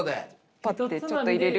パッてちょっと入れる。